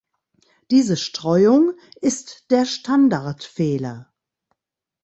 Diese Streuung ist der Standardfehler.